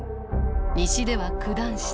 西では九段下。